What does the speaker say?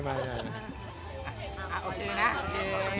โอเคนะโอเค